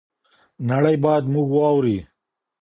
نړۍ بايد موږ واوري.